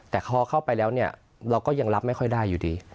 แต่พอเข้าไปแล้วเนี่ยเราก็ยังรับไม่ค่อยได้อยู่ดี